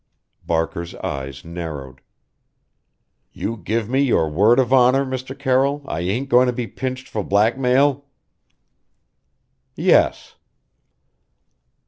Barker's eyes narrowed. "You give me your word of honor, Mr. Carroll, I ain't goin' to be pinched for blackmail?" "Yes."